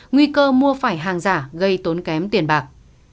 nguy cơ mua phải hàng giả gây tốn kém tiền bạc